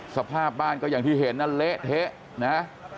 สภาพบ้านก็อย่างที่เห็นนั่นเละเทะนะ